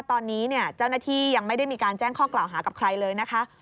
ตอนนี้เจ้าหน้าที่ยังไม่ได้มีการแจ้งข้อกล่าวหากับใครเลยนะคะ